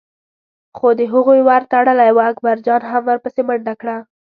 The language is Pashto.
خو د هغوی ور تړلی و، اکبرجان هم ور پسې منډه کړه.